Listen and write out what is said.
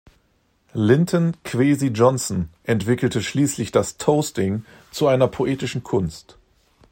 Linton Kwesi Johnson entwickelte schließlich das Toasting zu einer poetischen Kunst.